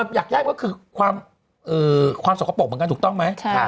อยากได้ก็คือความสกปรกเหมือนกันถูกต้องไหม